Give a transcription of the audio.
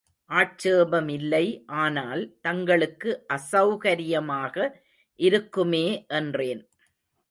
ஆட்சேபமில்லை ஆனால் தங்களுக்கு அசெளகரியமாக இருக்குமே என்றேன்.